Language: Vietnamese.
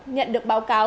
nhận được báo cáo